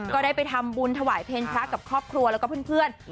ก็ได้ไปทำบุญถวายเพลงพระกับครอบครัวแล้วก็เพื่อน